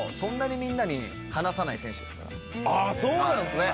あそうなんですね。